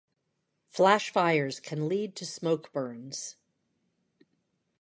Flash fires can lead to smoke burns.